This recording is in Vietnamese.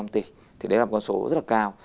ba mươi năm tỷ thì đấy là một con số rất là cao